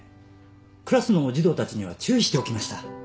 クラスの児童たちには注意しておきました。